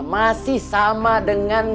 masih sama dengan